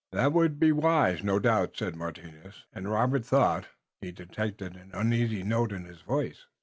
"That would be wise, no doubt," said Martinus, and Robert thought he detected an uneasy note in his voice.